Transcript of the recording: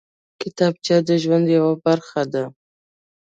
کتابچه د ژوند یوه برخه ده